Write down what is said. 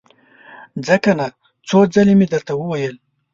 ځه کنه! څو ځلې مې درته وويل!